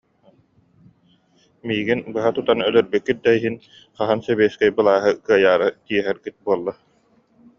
Миигин быһа тутан өлөрбүк- күт да иһин хаһан Сэбиэскэй былааһы кыайаары тииһэргит буолла